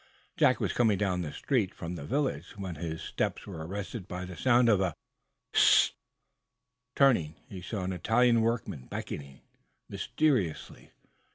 "Jack was coming down the street from the village, when his steps were arrested by the sound of a sharp: "Hist!" Turning, he saw an Italian workman, beckoning mysteriously.